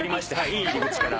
いい入り口から。